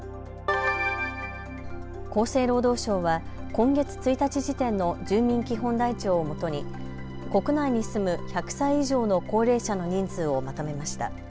厚生労働省は今月１日時点の住民基本台帳をもとに国内に住む１００歳以上の高齢者の人数をまとめました。